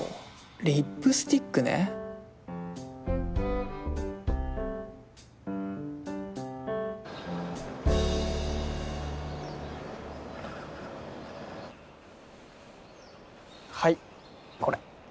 リップスティックねはいこれ。